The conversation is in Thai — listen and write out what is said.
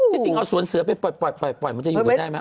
ที่จริงเอาสวนเสือไปปล่อยมันจะอยู่ไหนได้มั้ย